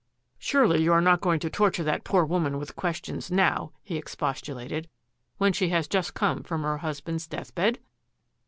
"" Surely you are not going to torture that poor woman with questions now," he expostulated, " when she has just come from her husband's death bed?